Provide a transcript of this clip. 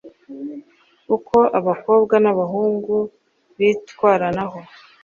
uko abakobwa n'abahungu bitwaranaho